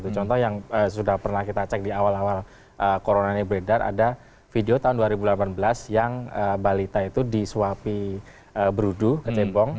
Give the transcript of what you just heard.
contoh yang sudah pernah kita cek di awal awal corona ini beredar ada video tahun dua ribu delapan belas yang balita itu disuapi berudu kecebong